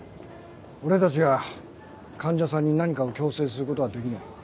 俺たちが患者さんに何かを強制することはできない。